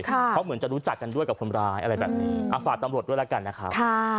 เพราะเหมือนจะรู้จักกันด้วยกับคนร้ายอะไรแบบนี้ฝากตำรวจด้วยแล้วกันนะครับ